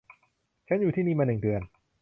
ฉันอยู่ที่นี่มาหนึ่งเดือน